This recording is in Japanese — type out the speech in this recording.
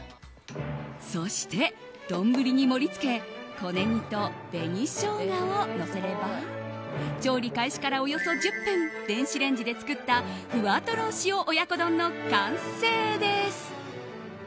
そして、丼に盛り付け小ネギと紅ショウガをのせれば調理開始からおよそ１０分電子レンジで作ったふわトロ塩親子丼の完成です。